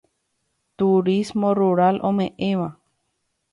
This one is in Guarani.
Turismo rural ome'ẽva.